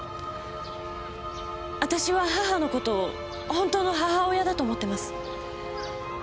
私は母の事を本当の母親だと思ってます。